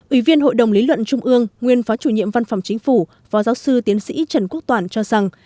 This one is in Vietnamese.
ủy viên hội đồng lý luận trung ương nguyên phó chủ nhiệm văn phòng chính phủ phó giáo sư tiến sĩ trần quốc toàn cho rằng